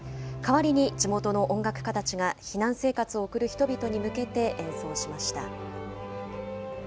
代わりに、地元の音楽家たちが避難生活を送る人々に向けて演奏しました。